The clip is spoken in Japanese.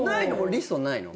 リストないの？